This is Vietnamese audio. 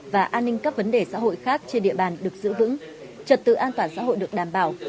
và an ninh các vấn đề xã hội khác trên địa bàn được giữ vững trật tự an toàn xã hội được đảm bảo